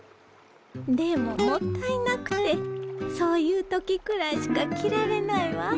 でももったいなくてそういう時くらいしか着られないわ。